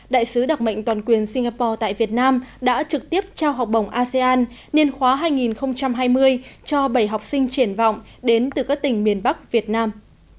đại sứ đặc mệnh toàn quyền singapore tại việt nam đã trực tiếp trao học bổng asean niên khóa hai nghìn hai mươi cho bảy học sinh triển vọng đến từ các tỉnh miền bắc việt nam